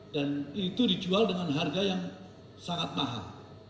dan itu dijual dengan harga yang sangat mahal